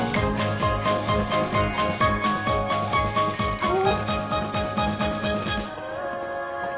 あの！